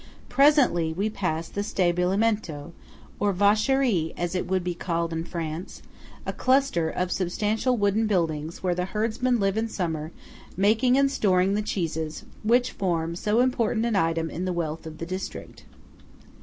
Presently we pass the "Stabilimento," or Vacherie as it would be called in France;–a cluster of substantial wooden buildings, where the herdsmen live in summer, making and storing the cheeses which form so important an item in the wealth of the district.